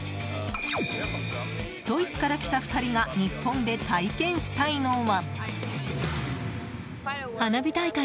ドイツから来た２人が日本で体験したいのは。